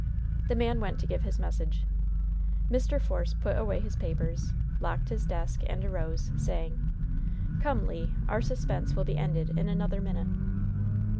The man went to give his message. Mr. Force put away his papers, locked his desk, and arose, saying: "Come, Le; our suspense will be ended in another minute."